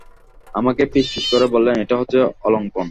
আমাকে ফিসফিস করে বললেন, এটা হচ্ছে অলক্ষণ।